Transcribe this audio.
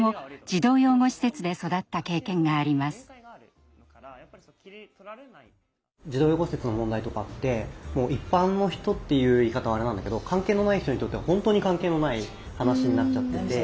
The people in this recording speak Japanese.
児童養護施設の問題とかって一般の人っていう言い方はあれなんだけど関係のない人にとっては本当に関係のない話になっちゃってて。